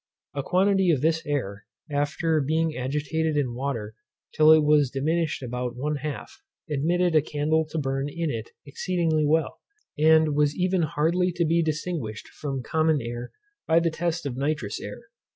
A quantity of this air, after being agitated in water till it was diminished about one half, admitted a candle to burn in it exceedingly well, and was even hardly to be distinguished from common air by the test of nitrous air.